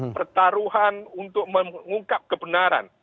pertaruhan untuk mengungkap kebenaran